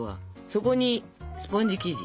そこにスポンジ生地。